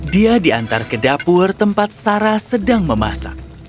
dia diantar ke dapur tempat sarah sedang memasak